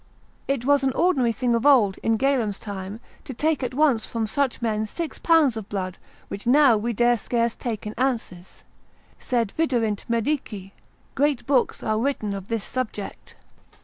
It was an ordinary thing of old, in Galen's time, to take at once from such men six pounds of blood, which now we dare scarce take in ounces: sed viderint medici; great books are written of this subject.